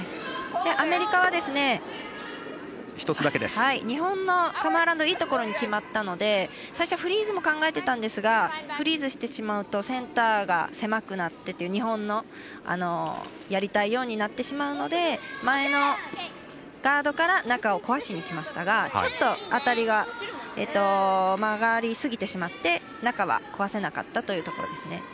アメリカは日本のカム・アラウンドいいところに決まったので最初フリーズも考えていたんですがフリーズしてしまうとセンターが狭くなってという日本のやりたいようになってしまうので前のガードから中を壊しにきましたがちょっと当たりが曲がりすぎてしまって中は壊せなかったというところですね。